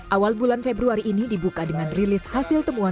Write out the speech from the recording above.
awal bulan februari ini dibuka dengan rilis hasil temuan